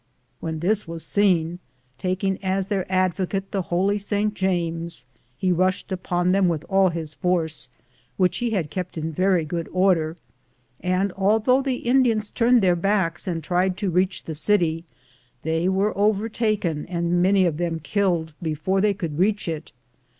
When this was seen, taking as their advocate the Holy Saint James, 1 he rushed upon them with all his force, which he bad kept in very good order, and although the Indians turned their backs and tried to reach the city, they were overtaken and many of them killed before they could reach it.